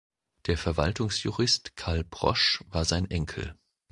Der Verwaltungsjurist Karl Prosch war sein Enkel.